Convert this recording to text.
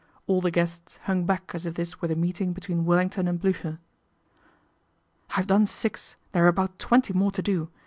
All the guests hung back as if this were the meeting between Wellington and Bliicher. " I've done six, there are about twenty more to do.